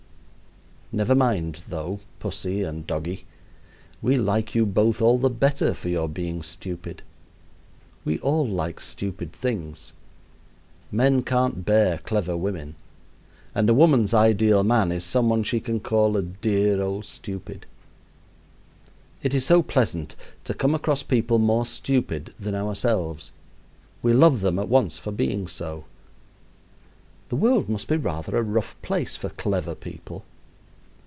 Never mind, though, pussy and doggie, we like you both all the better for your being stupid. We all like stupid things. Men can't bear clever women, and a woman's ideal man is some one she can call a "dear old stupid." It is so pleasant to come across people more stupid than ourselves. We love them at once for being so. The world must be rather a rough place for clever people.